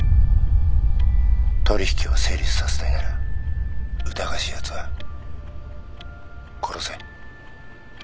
取引を成立させたいなら疑わしいやつは殺せ。